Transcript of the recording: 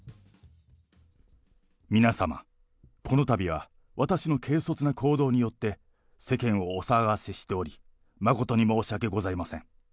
皆様、このたびは私の軽率な行動によって、世間をお騒がせしており、誠に申し訳ございません。